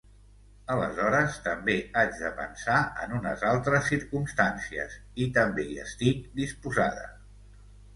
Aleshores també haig de pensar en unes altres circumstàncies, i també hi estic disposada.